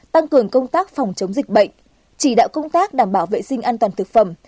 tăng cường công tác phòng chống dịch bệnh chỉ đạo công tác đảm bảo vệ sinh an toàn thực phẩm